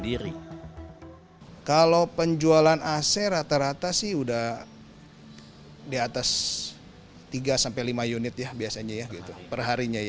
jika penjualan ac rata rata sudah di atas tiga lima unit perharinya